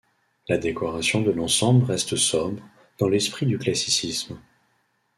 La décoration de l'ensemble reste sobre, dans l'esprit du classicisme.